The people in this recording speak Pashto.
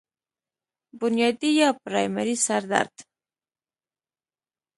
بنيادي يا پرائمري سر درد